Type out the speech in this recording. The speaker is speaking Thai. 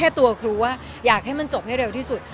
แล้วมันก็เรียกรู้ว่าอยากให้มันจบในเร็วที่สุด